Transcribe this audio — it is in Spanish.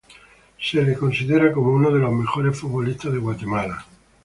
Se le considera como uno de los mejores futbolistas de Guatemala.